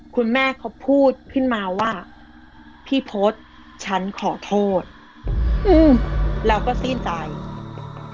คุณแม่เขาพูดขึ้นมาว่าพี่พศฉันขอโทษอืมแล้วก็สิ้นใจอืม